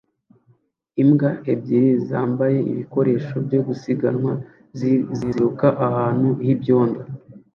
Imbwa ebyiri zambaye ibikoresho byo gusiganwa ziruka ahantu h'ibyondo